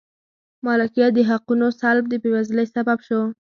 مالکیت حقونو سلب د بېوزلۍ سبب شو.